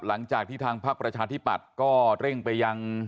หลังจากที่ทางพักประชาธิปัตย์ก็เร่งไปยัง